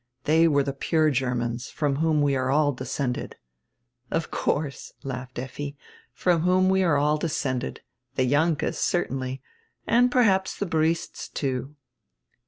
They were the pure Germans, from whom we are all descended." "Of course," laughed Lffi, "from whom we are all de scended, the Jahnkes certainly, and perhaps the Briests, too."